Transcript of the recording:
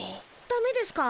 だめですか？